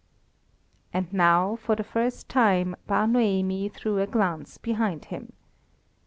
And now, for the first time, Bar Noemi threw a glance behind him.